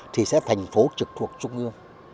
thì sẽ thành phố trực thuộc trung ương